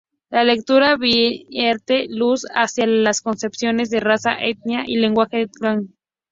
La lectura vierte luz hacia las concepciones de raza, etnia y lenguaje de Tolkien.